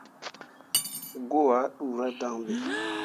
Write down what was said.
Goo ah ɓuura dan ɓe.